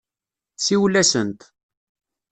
Siwel-asent.